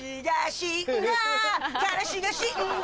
彼氏が死んだ